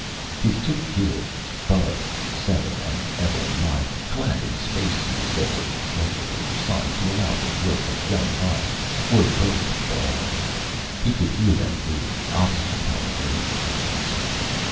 His two kids, Bubs, seven, and Evelyn, nine clad in space suits that were slightly oversize to allow for the growth of young bodies were both bawling. He could hear them through his oxygen helmet radiophones.